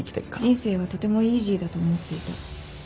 「人生はとてもイージーだと思っていた」。